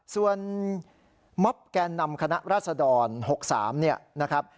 ส่วนม็อบแกนนำคณะราษฎร๖๓เนี่ยนะครับ